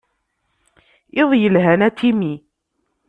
Iḍ yelhan a Timmy.